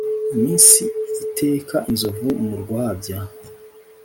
Iminsi iteka inzovu mu rwabya.